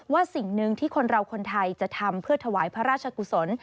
สิ่งหนึ่งที่คนเราคนไทยจะทำเพื่อถวายพระราชกุศล